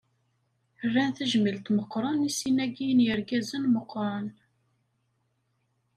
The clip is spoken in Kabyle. Rran tajmilt meqqren i sin-agi n yirgazen meqqren.